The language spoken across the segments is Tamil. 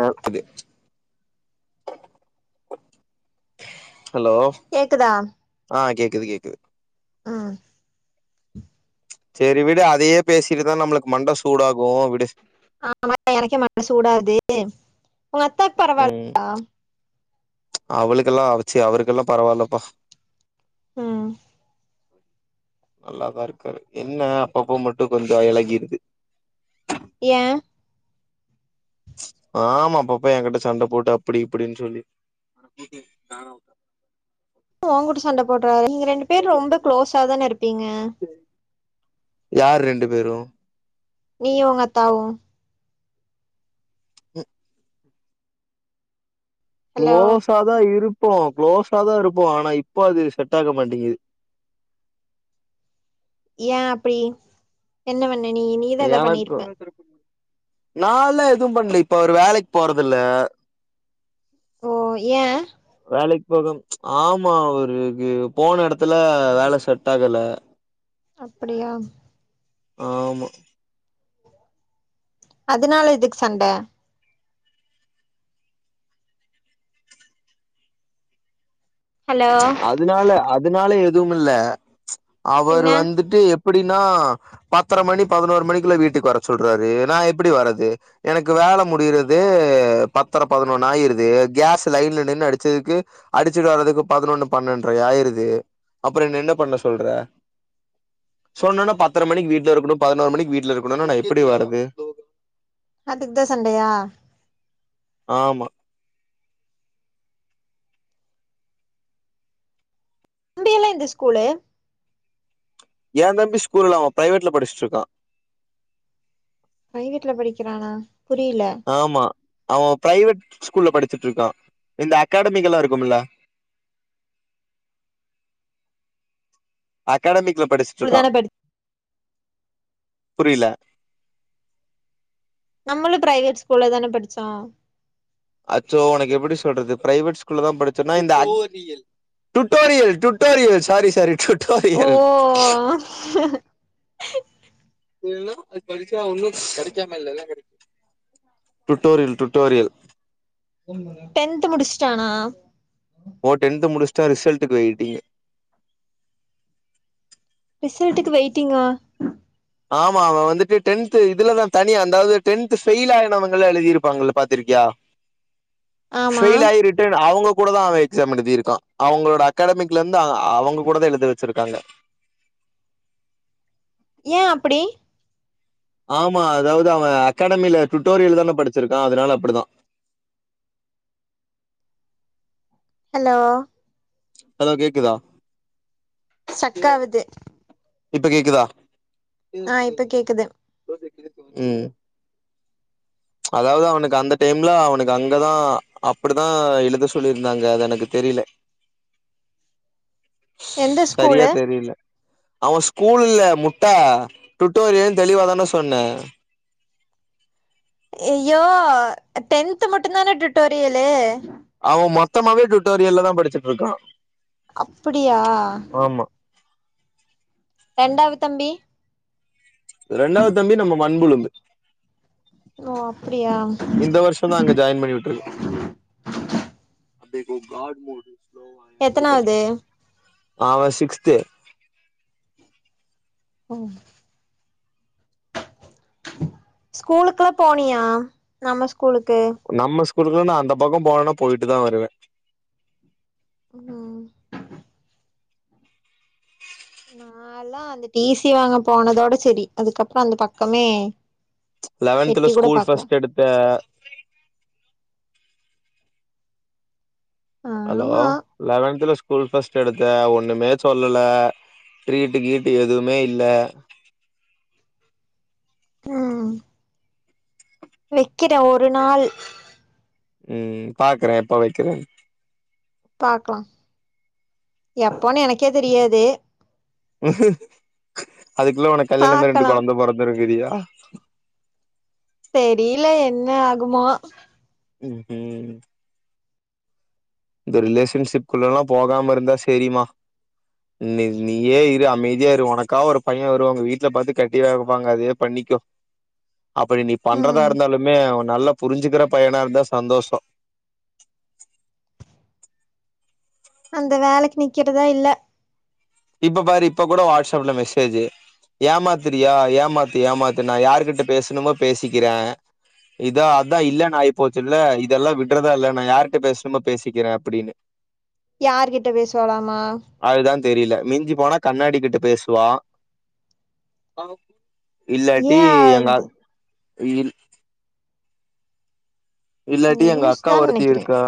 ஆ அது ஹலோ கேக்குதா ஆ கேக்குது கேக்குது ம் சேரி விடு அதையே பேசிட்ரிந்தா நம்ளுக்கு மண்ட சூடாகு விடு ஆ [inaudible] எனக்கே மண்ட சுடாகுது உங்க அத்தாக் பரவா ம் [inaudible] யா அவளுக்கெல்லா அவச்சு அவருக்கெல்லா பரவால்லப்பா ம் நல்லாதா இருக்காரு என்ன அப்பப்ப மட்டும் கொஞ்சோ இழகிடுது ஏ ஆமா அப்பப்ப என் கிட்ட சண்டை போட்டு அப்டி இப்டின்னு சொல்லி ஒங் கூட சண்டை போடுறாரு நீங்க ரெண்டு பேரு ரொம்ப க்ளோஸா தான இருப்பீங்க யார் ரெண்டு பேரும் நீயு உங்க அத்தாவும் ஹ் ஹலோ குளோஸா தா இருப்போ குளோஸ தா இருப்போ ஆனா இப்போ அது செட் ஆக மாட்டேங்குது ஏ அப்டி என்ன பண்ண நீ நீதா எதா பண்ணிருப்ப நாலா எதுவு பண்ல இப்ப அவரு வேலைக்கு போறதில்ல ஓ ஏ வேலைக்கு போக ஆமா அவருக்கு போன இடத்துல வேலை செட் ஆகல அப்டியா ஆமா அதுனால எதுக்கு சண்ட ஹலோ அதனால அதனால எதும் இல்ல அவர் பின்ன வந்துட்டு எப்படின்னா பத்தரை மணி பதினோரு மணிக்குள்ள வீட்டுக்கு வர சொல்றாரு நா எப்டி வரது எனக்கு வேல முடியறததே பத்தரை பதினொன்னு ஆயிருது கேஸ் லைன்ல நின்னு அடிச்சதுக்கு அடிச்சுட்டு வர்றதுக்கு பதினொன்னு பன்னெண்ட்ரை ஆயிருது அப்றம் என்னென்ன பண்ண சொல்ற சொன்னன்னே பத்தரை மணிக்கு வீட்ல இருக்கணு பதினோரு மணிக்கு வீட்ல இருக்கணும்னா நா எப்டி வரது அதுக்கு தா சண்டையா ஆமா முந்தி இல்ல இந்த ஸ்கூலு ஏ தம்பி ஸ்கூல் இல்ல அவன் பிரைவேட்ல படிச்சிட்டு இருக்கான் பிரைவேட்ல படிக்கிறானா புரியல ஆமா அவன் பிரைவேட் ஸ்கூல்ல படிச்சிட்டு இருக்கான் இந்த அகாடமிக்கிள இருக்குமில [inaudible] அகாடமிக்ல படிச்சிட்டு ஸ்கூல் இருக்கான் தான படி புரில நம்மளு பிரைவேட் ஸ்கூல்ல தான படிச்சோ அச்சோ உனக்கு எப்டி சொல்றது பிரைவேட் ஸ்கூல்ல தா படிச்சோம்னா இந்த at [unintelligible] tutorial tutorial sorry sorry tutorial ஓ இல்லனா அது படிச்சா ஒன்னு கிடைக்காமயில்ல எல்லா கிடைக்கு டுட்டோரியல் டுட்டோரியல் ஃபோன் பண்ணு டென்த் முடிச்சிட்டானா ஓ டென்த் முடிச்சுட்டா ரிசல்ட்டுக்கு வெயிட்டிங்கு ரிசல்ட்டுக்கு வெயிட்டிங்கா ஆமா அவன் வந்துட்டு டென்த்து இதுலதான் தனியா அதாவது டென்த் ஃபெயில் ஆனவங்க எல்லா எழுதிருப்பாங்கல்ல பாத்திருக்கியா ஆமா ஃபெயில் ஆய் இருட் அவங்க கூட தான் அவன் எக்சாம் எழுதியிருக்கா அவங்களோட அகாடமிக்ல இருந்து அவங்க கூட தா எழுத வச்சிருக்காங்க ஏ அப்படி ஆமா அதாவது அவன் அகாடமியில டூட்டோரியல் தான படிச்சிருக்கான் அதனால அப்டிதா ஹலோ ஹலோ கேக்குதா இத ஸ்டக்காவுது இப்ப கேக்குதா ஆ இப்ப கேக்குது ம் அதாவது அவனுக்கு அந்த டைம்ல அவனுக்கு அங்கதா அப்படிதா எழுத சொல்லியிருந்தாங்க அது எனக்கு தெரியல [inaudible] எந்த சரியா ஸ்கூலு தெரியில அவன் ஸ்கூல்ல முட்ட டுட்டோரியல்ன்னு தெளிவாதான சொன்னே ஐயோ டென்த் மட்டும் தான டூட்டோரியலு அவன் மொத்தமாவே டூட்டோரியல்ல தா படிச்சிட்டு இருக்கா அப்புடியா ஆமா ரெண்டாவது தம்பி ரெண்டாவது தம்பி நம்ம மண்புலும்பு ஓ அப்டியா இப்ப தா அங்க ஜாயின் பண்ணி விட்டு இருக்கு இப்ப கட்மோடு எத்தனாவது அவே சிக்ஸ்த்து ம் ஸ்கூலுக்குல்லா போனியா நம்ம ஸ்கூலுக்கு நம்ம ஸ்கூக்குள்ள நா அந்த பக்கோ போனா போயிட்டு தா வருவே ம் நாளா அந்த டி சி வாங்க போனதோட சேரி அதுக்கப்றோ அந்த பக்கமே எட்டி லெவென்த்ல கூட ஸ்கூல் பாக்கல ஃபர்ஸ்ட் எடுத்த ஹலோ ஆமா லெவன்த்துல ஸ்கூல் பர்ஸ்ட் எடுத்த ஒண்ணுமே சொல்லல ட்ரீட்டு கீட்டு எதுவுமே இல்ல ம் வைக்கிறே ஒரு நாள் ம் பாக்குறே எப்ப வைக்கிறேன்னு பாக்லா எப்போன்னு எனக்கே தெரியாது அதுக்குள்ள உனக்கு கல்யாண மாகி ரெண்டு பாக்கலா கொழந்த பொறந்துறு ங்ரியா தெரியில என்ன ஆகுமோ ம் ம் இந்த ரிலேஷன்ஷிப்குள்ளலா போகாம இருந்தா செரிமா நீ நீயே இரு அமைதியா இரு உனக்கா ஒரு பையன் வருவா உங்க வீட்ல பாத்து கட்டிவேப்பாங்க அதயே பண்ணிக்கோ [inaudible] அப்டி நீ பண்றதா ம் இருந்தாலுமே அவே நல்லா புரிஞ்சுக்கிற பையனா இருந்தா சந்தோஷோ அந்த வேலைக்கு நிக்கிறதா இல்ல இப்ப பாரு இப்ப கூட வாட்ஸ்அப்ல மெசேஜு ஏமாத்திரியா ஏமாத்து ஏமாத்து நா யார்கிட்ட பேசணுமோ பேசிக்கிறே இதா அதா இல்லன்னு ஆயி போச்சுல்ல இதெல்லா விட்றதா இல்ல நா யார்கிட்ட பேசுன்மோ பேசிக்கிறே அப்டின்னு யார் கிட்ட பேசுவாலாமா அதுதா தெரில மிஞ்சி போனா கண்ணாடி கிட்ட பேசுவா இல்லாட்டி ஏ எங்க அது இல் இல்லாட்டி எங்க லூஸ் அக்கா தா ஒருத்தி நெனைக்கிறே இருக்கா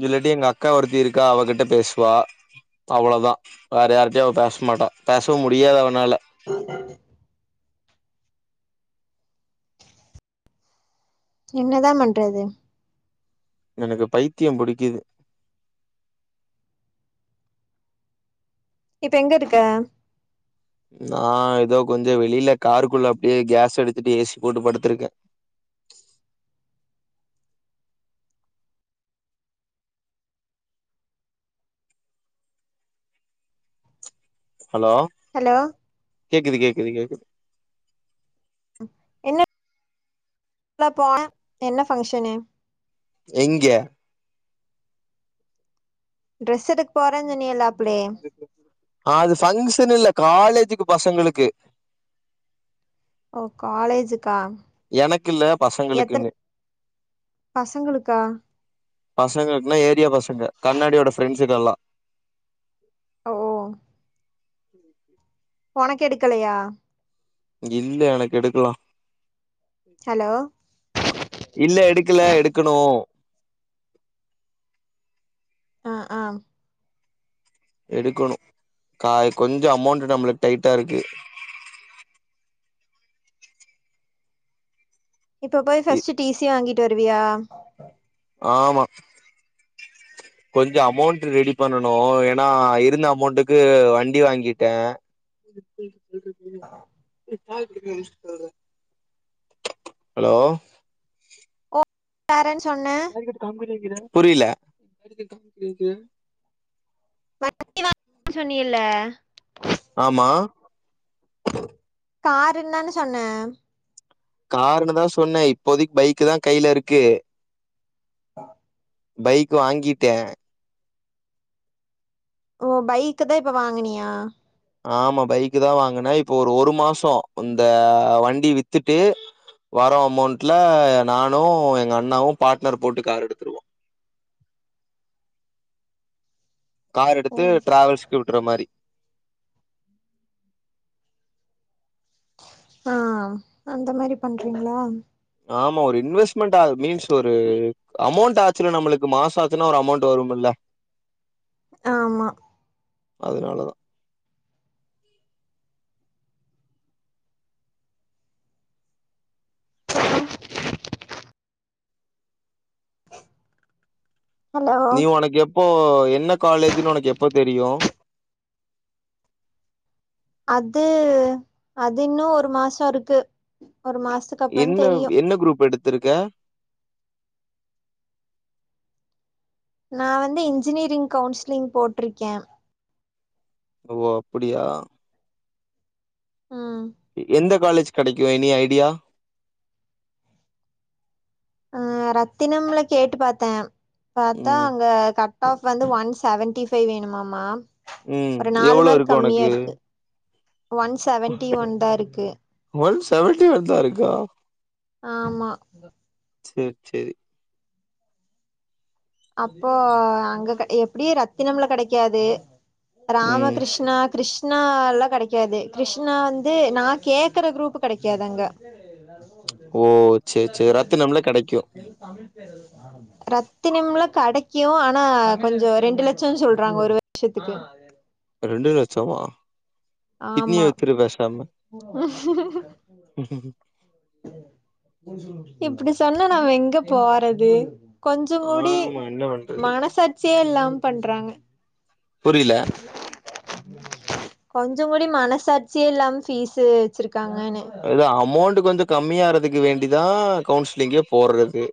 இதுல்லாட்டி எங்க அக்கா ஒருத்தி இருக்கா அவகிட்ட பேசுவா அவ்வளோதா வேற யார்ட்டையும் அவ பேசமாட்டான் பேசவும் முடியாத் அவனால [inaudible] என்னதா பண்றது எனக்கு பைத்தியம் புடிக்கிது இப்ப எங்க இருக்க நா ஏதோ கொஞ்ச வெளில காருக்குள்ள அப்டியே கேஸ் எடுத்துட்டு ஏசி போட்டு படுத்திருக்கே ஹலோ ஹலோ கேக்குது கேக்குது கேக்குது என்ன போ என்ன ஃபங்க்ஷனு எங்கே ட்ரெஸ் எடுக்கு போறேன்னு சொனியல்ல அப்ளே அ அது பங்க்ஷன் இல்ல காலேஜுக்கு பசங்களுக்கு ஓ காலேஜுக்கா எனக்கு இல்ல எத்தன பசங்களுக்குன்னு பசங்களுக்கா பசங்களுக்குன்னா ஏரியா பசங்க கண்ணாடியோட ஃப்ரெண்ட்ஸுக்கெல்லா ஓ [unintelligible] உனக்கெடுக்கலையா இல்ல எனக்கெடுக்லா ஹலோ இல்ல எடுக்கல எடுக்கணு ஆ ஆ எடுக்கணு கா கொஞ்ச அமௌண்ட் நம்ளுக்கு டைட்டா இருக்கு இப்ப போய் இ ஃபர்ஸ்ட் டி சி வாங்கிட்டு வருவியா ஆமா [inaudible] கொஞ்ச அமௌண்ட் ரெடி பண்ணனு ஏன்னா இருந்த அமௌண்ட்டுக்கு வண்டி வாங்கிட்டே [unintelligible] ஹலோ பேரன் சொன்னே புரில வண்டி வாங் [unintelligible] சொன்னியல்ல ஆமா காருன்னு தான சொன்ன கார்ன்னுதா சொன்னே இப்போதைக்கு பைக்கு தா கையில இருக்கு ஆஹ் பைக் வாங்கிட்டே ஓ பைக்கு தா இப்ப வாங்கினியா ஆமா பைக்கு தா வாங்குனே இப்போ ஒரு ஒரு மாசோ இந்த வண்டி வித்துட்டு வர அமௌண்ட்டுல நானு எங்க அண்ணாவு பார்ட்னர் போட்டு கார் எடுத்துடுவோ கார் ஓ எடுத்து டிரராவல்ஸ் க்கு விட்டுற மாரி ஆ அந்த மாதிரி பண்றீங்களா ஆமா ஒரு இன்வெஸ்ட்மெண்ட் மீன்ஸ் ஒரு அமௌண்ட் ஆச்சில நம்மளுக்கு மாச ஆச்சுன்னா ஒரு அமௌண்ட் வரும்ல ஆமா அதனால தா ஆ ஹலோ நீ உனக் எப்போ என்ன காலேஜ்ன்னு உனக்கு எப்போ தெரியு அது அது இன்னு ஒரு மாசோ இருக்கு ஒரு மாசத்துக்கு அப்புறோ என்ன தெரியு என்ன குரூப் எடுத்திருக்க நா வந்து இன்ஜினியரிங் கவுன்சிலிங் போட்ருக்கே ஓ அப்டியா ம் எந்த காலேஜ் கெடைக்கு எனி ஐடியா ஆ ரத்தினம்ல கேட்டு பாத்தே பாத்தா ம் அங்க கட் அஃப் வந்து ஒன் செவன்டி பைஃவ் வேணுமாமா ம் ஒரு நாலு எவ்ளோ மார்க் இருக்கு கம்மியா உனக்கு இருக்கு ஒன் செவன்டி ஒன் தா இருக்கு ஒன் செவன்டி ஒன் தா இருக்கா ஆமா சேர் சேரி அப்போ அங்க கெட எப்டியு ரத்தினம்ல கெடைக்காது ராம ம் கிருஷ்ணா கிருஷ் ணால்லா கெடைக்காது கிருஷ்ணா வந்து நா கேக்ற குரூப் கெடைக்காது அங்க ஓ சேர் சேரி ரத்தினம்ல கெடைக்கு ரத்தினிம்ல கெடைக்கு ஆனா கொஞ்சோ ரெண்டு லட்சனு சொல்றாங்க ஒரு வர்ஷத்துக்கு ரெண்டு லட்சமா கிட்னிய ஆமா வித்துரு பேசாம இப்டி சொன்னா நாம எங்க போறது கொஞ்ச கூடி ஆமா என்ன பண்றது மனசாட்சியே இல்லாம பண்றாங்க புரியல கொஞ்ச கூடி மனசாட்சியே இல்லாம ஃபீஸ்சு வச்சிருக்காங்கன்னே அது அமௌண்ட் கொஞ்சோ கம்மியாறதுக்கு வேண்டிதா கவுன்சிலிங்கே போடுறது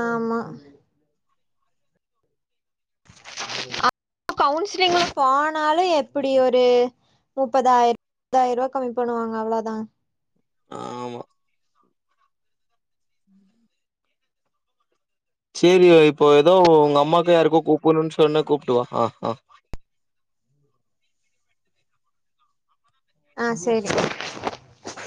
ஆமா அப்ப கவுன்சிலிங்ல போனாலு எப்டி ஒரு முப்பதாயி முப்பதாயிரம் ரூபா கம்மி பண்ணுவாங்க அவ்ளோதா ஆமா சேரி இப்போ ஏதோ உங்க அம்மாவுக்கு யாருக்கோ கூப்ணும்ன்னு சொன்ன கூப்ட்டுவா ஆ ஆ ஆ செரி